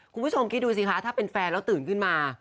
คุณผู้ชมคิดดูสิคะถ้าเป็นแฟนแล้วตื่นขึ้นมา